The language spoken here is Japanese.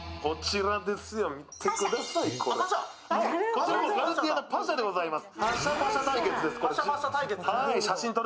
こちらもカルティエのパシャでございます。